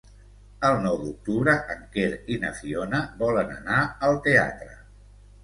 El nou d'octubre en Quer i na Fiona volen anar al teatre.